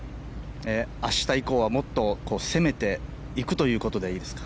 明日以降はもっと攻めていくということでいいですか。